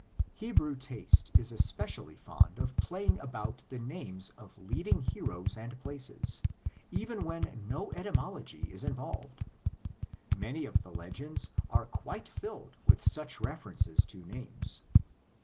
Hebrew taste is especially fond of playing about the names of leading heroes and places, even when no etymology is involved Many of the legends are quite filled with such references to names.